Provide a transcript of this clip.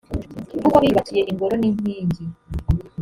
kuko biyubakiye ingoro n’inkingi